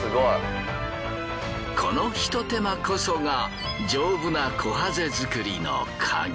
このひと手間こそが丈夫なこはぜ作りのカギ。